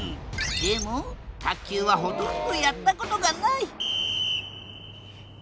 でも卓球はほとんどやったことがない！